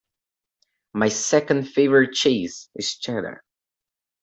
My second favourite cheese is cheddar.